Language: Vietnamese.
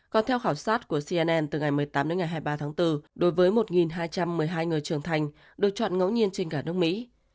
còn theo khảo sát của cnn từ ngày một mươi tám đến ngày hai mươi ba tháng bốn đối với một hai trăm một mươi hai người trưởng thành được chọn ngẫu nhiên trên cả nước mỹ